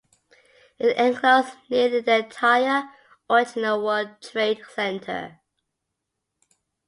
It enclosed nearly the entire original World Trade Center.